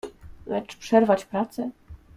"Lecz przerwać pracę?"